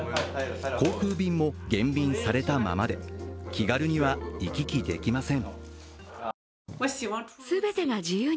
航空便も減便されたままで気軽には行き来できません。